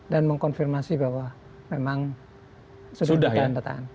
dan mengkonfirmasi bahwa memang sudah datang